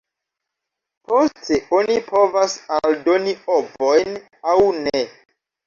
Poste oni povas aldoni ovojn aŭ ne.